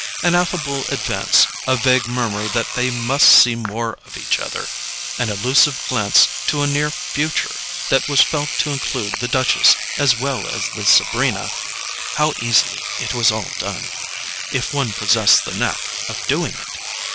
An affable advance—a vague murmur that they must see more of each other—an allusive glance to a near future that was felt to include the Duchess as well as the Sabrina—how easily it was all done, if one possessed the knack of doing it!